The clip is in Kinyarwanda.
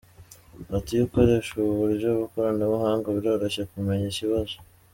Ati “Iyo ukoresha ubu buryo bw’ikoranabuhanga, biroroshye kumenya ikibazo.